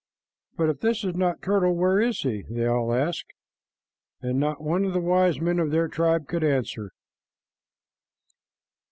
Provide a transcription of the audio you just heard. "But if this is not Turtle, where is he?" they all asked, and not one of the wise men of their tribe could answer.